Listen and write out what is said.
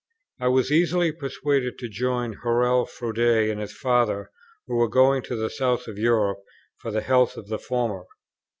I was easily persuaded to join Hurrell Froude and his Father, who were going to the south of Europe for the health of the former.